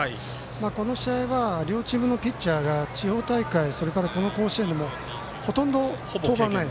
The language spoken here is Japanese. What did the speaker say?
この試合は両チームのピッチャーが地方大会それから、この甲子園でもほとんど変わりない。